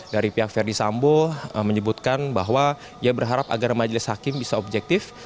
dari pihak ferdis sambo menyebutkan bahwa dia berharap agar majlis hakim bisa objektif